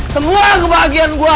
semua kebahagiaan gue